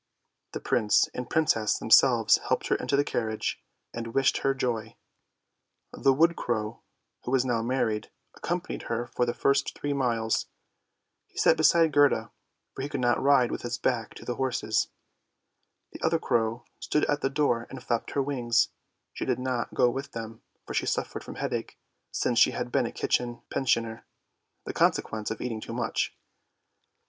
The Prince and Princess themselves helped her into the carriage and wished her joy. The wood crow, who was now married, accompanied her for the first three miles, he sat beside Gerda, for he could not ride with his back to the horses; the other crow stood at the door THE SNOW QUEEN 205 and flapped her wings, she did not go with them, for she suffered from headache since she had been a kitchen pensioner — the con sequence of eating too much.